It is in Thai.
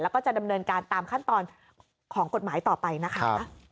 แล้วก็จะดำเนินการตามขั้นตอนของกฎหมายต่อไปนะคะ